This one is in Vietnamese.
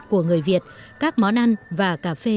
của người việt các món ăn và cà phê